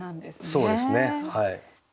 そうですねはい。